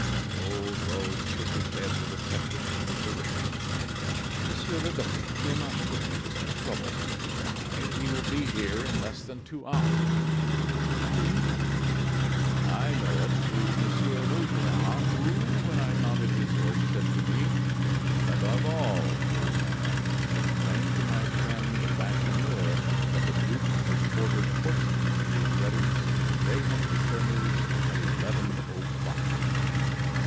The old rogue shook his head with affected commiseration. "Monsieur le Duc will not put you to that trouble," he replied; "he will be here in less than two hours." "How do you know?" "I know it through Monsieur Laugeron, who, when I mounted his horse, said to me: 'Above all, old man, explain to my friend Lacheneur that the duke has ordered horses to be in readiness to convey him to Sairmeuse at eleven o'clock.